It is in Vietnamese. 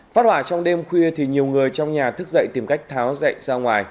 phát hỏa trong đêm khuya thì nhiều người trong nhà thức dậy tìm cách tháo dậy ra ngoài